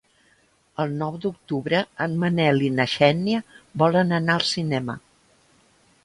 El nou d'octubre en Manel i na Xènia volen anar al cinema.